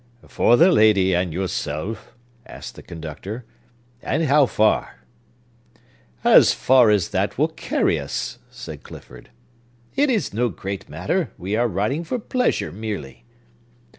"For the lady and yourself?" asked the conductor. "And how far?" "As far as that will carry us," said Clifford. "It is no great matter. We are riding for pleasure merely."